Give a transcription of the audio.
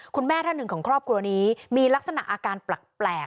คุณแม่ท่านหนึ่งของครอบครัวนี้มีลักษณะอาการแปลก